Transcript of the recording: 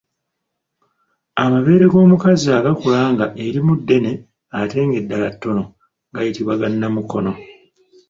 Amabeere g’omukazi agakula nga erimu ddene ate ng’eddala ttono gayitibwa ga Namukono.